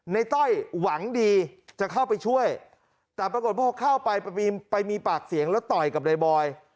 ต้อยหวังดีจะเข้าไปช่วยแต่ปรากฏพอเข้าไปไปมีปากเสียงแล้วต่อยกับนายบอย